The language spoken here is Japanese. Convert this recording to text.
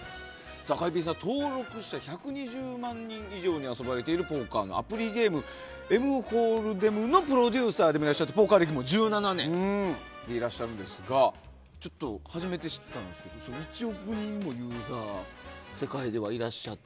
登録者１２０万人以上に遊ばれているポーカーのアプリゲーム「ｍＨＯＬＤ’ＥＭ」のプロデューサーでもいらっしゃってポーカー歴も１７年でいらっしゃるんですがちょっと初めて知ったんですが１億人のユーザーが世界ではいらっしゃると。